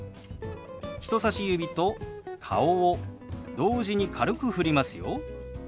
人さし指と顔を同時に軽くふりますよ。